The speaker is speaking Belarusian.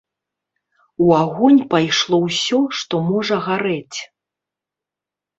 У агонь пайшло ўсё, што можа гарэць.